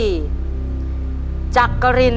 ขอเชิญแม่จำรูนขึ้นมาต่อชีวิต